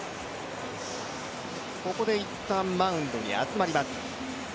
ここでいったんマウンドに集まります。